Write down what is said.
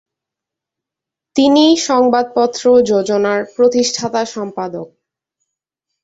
তিনি সংবাদপত্র যোজনা’র প্রতিষ্ঠাতা সম্পাদক।